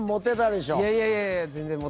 いやいやいやいや。